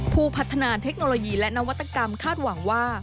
ผู้พัฒนาเทคโนโลยีและนวัตกรรมคาดหวังว่า